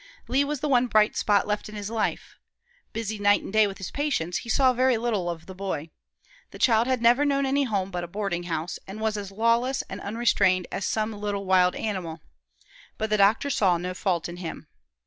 Lee was the one bright spot left in his life. Busy night and day with his patients, he saw very little of the boy. The child had never known any home but a boarding house, and was as lawless and unrestrained as some little wild animal. But the doctor saw no fault in him.